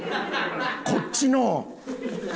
こっちの。